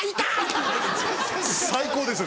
最高ですよ